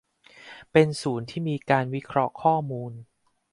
เป็นศูนย์ที่มีการวิเคราะห์ข้อมูล